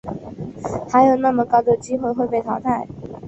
还有那么高的机会被淘汰